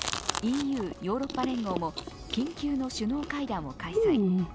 ＥＵ＝ヨーロッパ連合も緊急の首脳会談を開催。